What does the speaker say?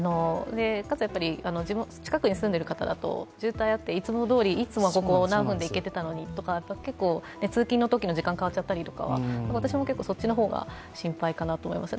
かつやっぱり近くに住んでいる方だと渋滞あって、いつもどおり、いつもはここは何分で行けていたのにとか通勤のときの時間が変わっちゃったりとかは、私もそっちの方が心配かなと思います。